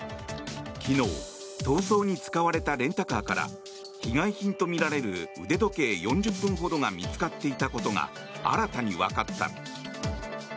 昨日、逃走に使われたレンタカーから被害品とみられる腕時計４０本ほどが見つかっていたことが新たに分かった。